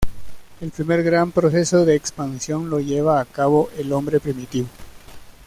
El primer gran proceso de expansión lo lleva a cabo el hombre primitivo.